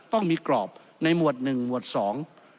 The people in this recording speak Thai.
ต้องมีกรอบในหมวดหนึ่งหมวดสอง